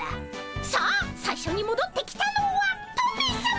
さあ最初にもどってきたのはトメさま！